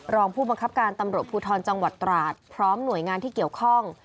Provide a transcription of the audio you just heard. รองผู้บังคับการตำรวจภูทรจังหวัดตราดพร้อมหน่วยงานที่เกี่ยวข้อง